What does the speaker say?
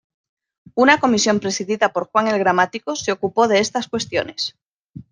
Una comisión presidida por Juan el gramático, se ocupó de estas cuestiones.